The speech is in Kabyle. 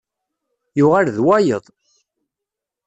Yuɣal d wayeḍ.